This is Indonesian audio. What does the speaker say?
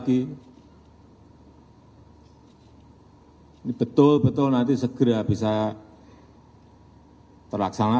ini betul betul nanti segera bisa terlaksana